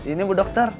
ini bu dokter